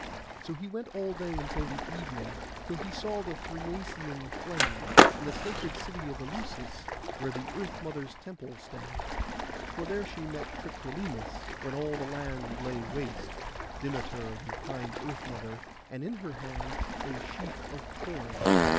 So he went all day until the evening, till he saw the Thriasian plain, and the sacred city of Eleusis, where the Earth mother's temple stands. For there she met Triptolemus, when all the land lay waste, Demeter the kind Earth mother, and in her hands a sheaf of corn.